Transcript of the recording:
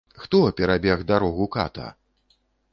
Хто перабег дарогу ката?